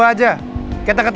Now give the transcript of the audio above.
apa bapak ketangkep